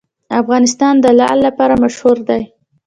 افغانستان د لعل لپاره مشهور دی.